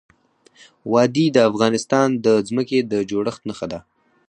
وادي د افغانستان د ځمکې د جوړښت نښه ده.